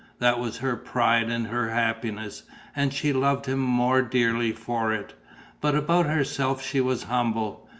That was her pride and her happiness; and she loved him more dearly for it. But about herself she was humble.